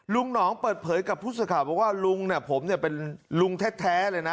ลุงหนองเปิดเผยกับผู้สาขาบอกว่าลุงเนี่ยผมเนี่ยเป็นลุงแท้แท้เลยนะ